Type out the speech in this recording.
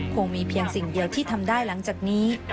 คงมีเพียงสิ่งเดียวที่ทำได้หลังจากนี้